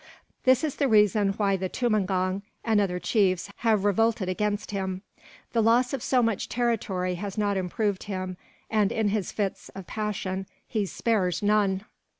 This is the reason why the tumangong, and other chiefs, have revolted against him. The loss of so much territory has not improved him and, in his fits of passion, he spares none."